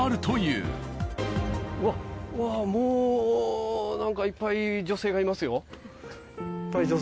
うわもう何かいっぱい女性がいます。